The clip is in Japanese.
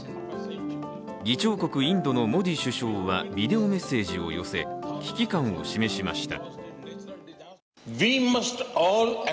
議長国インドのモディ首相はビデオメッセージを寄せ危機感を示しました。